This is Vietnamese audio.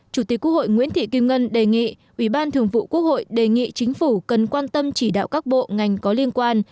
chủ tịch quốc hội nguyễn thị kim ngân đề nghị ủy ban thường vụ quốc hội đề nghị chính phủ cần quan tâm chỉ đạo các bộ ngành có liên quan